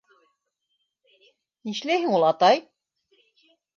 Нишләйһең ул, атай?